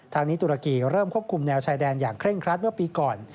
ทางนี้ตุรกีเริ่มควบคุมแนวชายแดนอย่างเคร่งครัดเมื่อปีก่อน